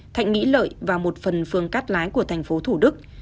thạnh mỹ lợi và một phần phường cắt lái của thành phố thủ đức